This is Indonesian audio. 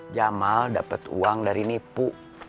jamal dapat uang dari nipu